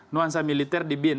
nuansa militer di bin